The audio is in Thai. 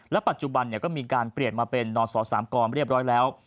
ปัจจุบันก็มีการเปลี่ยนมาเป็นนศ๓กรเรียบร้อยแล้ว